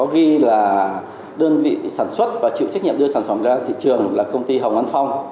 kinh nghiệm đưa sản phẩm ra thị trường là công ty hồng an phong